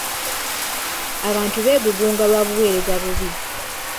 Abantu beegugunga lwa buweereza bubi.